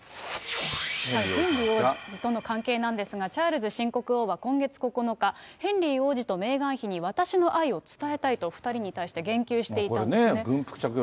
ヘンリー王子との関係なんですが、チャールズ新国王は今月９日、ヘンリー王子とメーガン妃に私の愛を伝えたいと、２人に対して言及していたんですね。